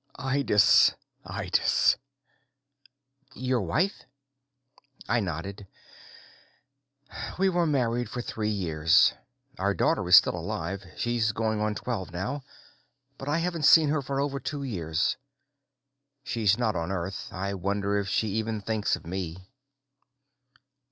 Ydis, Ydis! "Your wife?" I nodded. "We were only married for three years. My daughter is still alive; she's going on twelve now. But I haven't seen her for over two years. She's not on Earth. I wonder if she even thinks of me."